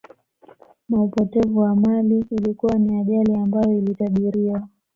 Na upotevu wa mali Ilikuwa ni ajali ambayo ilitabiriwa